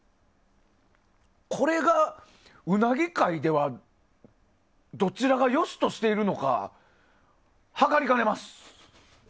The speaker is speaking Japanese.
これが、うなぎ界ではどちらが良しとしているのかはかりかねます。